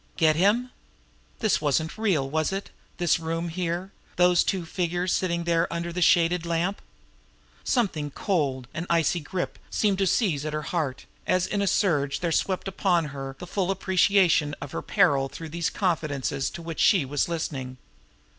Get him! This wasn't real, was it, this room here; those two figures sitting there under that shaded lamp? Something cold, an icy grip, seemed to seize at her heart, as in a surge there swept upon her the full appreciation of her peril through these confidences to which she was listening.